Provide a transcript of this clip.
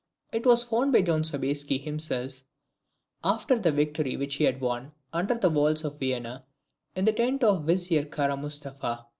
It was found by Jean Sobieski himself, after the victory which he had won, under the walls of Vienna, in the tent of the Vizier Kara Mustapha.